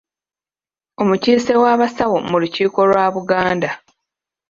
Omukiise w'abasawo mu lukiiko lwa Buganda.